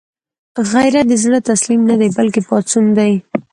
غیرت د زړه تسلیم نه دی، بلکې پاڅون دی